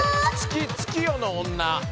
月夜の女。